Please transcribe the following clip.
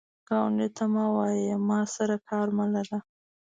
ګاونډي ته مه وایه “ما سره کار مه لره”